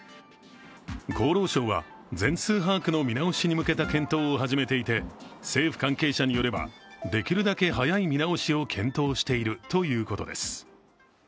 厚労省は全数把握の見直しに向けた検討を始めていて政府関係者によればできるだけ早い見直しを検討しているということです。